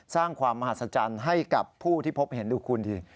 สร้างความมหัศจรรย์ให้กับผู้ที่พบเห็นดูคุณดิ